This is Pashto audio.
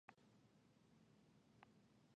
مځکه موږ ته تدبر راښيي.